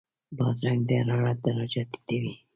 بادرنګ د حرارت درجه ټیټوي.